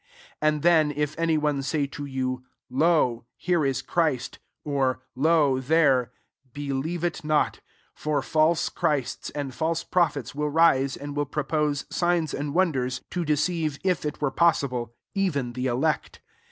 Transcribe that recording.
21 •* And Uien, if any one say to you, *Lo, here is Christ;' [or,} * Loj there ;' believe it not ; 22for &l8e Christs and false pro phets will rise, and will propose ngns and wonders, to deceive, if it were possible, even the elect.